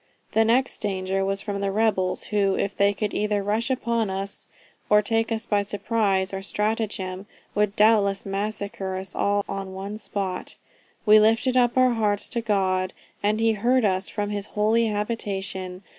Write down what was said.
The next danger was from the rebels, who if they could either rush upon us, or take us by surprise or stratagem, would doubtless massacre us all on the spot. We lifted up our hearts to God, and he heard us from his holy habitation.